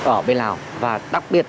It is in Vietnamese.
ở bên lào và đặc biệt